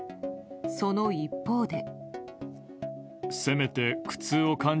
その一方で。